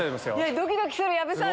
ドキドキする矢部さん